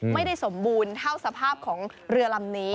ไม่ได้สมบูรณ์เท่าสภาพของเรือลำนี้